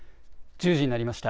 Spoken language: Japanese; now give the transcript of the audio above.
１０時になりました。